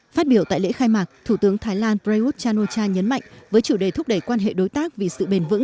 phát biểu tại lễ khai mạc thủ tướng thái lan prayuth chan o cha nhấn mạnh với chủ đề thúc đẩy quan hệ đối tác vì sự bền vững